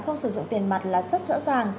không sử dụng tiền mặt là rất rõ ràng